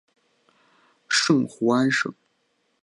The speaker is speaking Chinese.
圣胡安省。